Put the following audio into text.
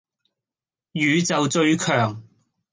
宇宙最強